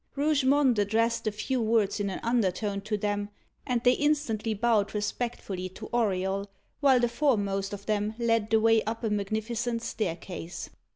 Rougemont addressed a few words in an undertone to them, and they instantly bowed respectfully to Auriol, while the foremost of them led the way up a magnificent staircase.